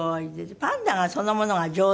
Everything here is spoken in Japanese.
パンダがそのものが上手。